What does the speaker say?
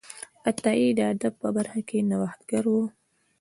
عطایي د ادب په برخه کې نوښتګر و.